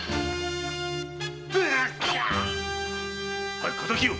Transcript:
早く敵を！